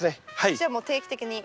じゃあもう定期的に。